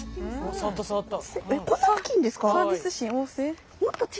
触った触った。